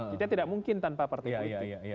kita tidak mungkin tanpa partai politik